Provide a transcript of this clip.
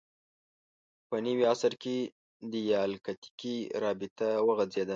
په نوي عصر کې دیالکتیکي رابطه وغځېده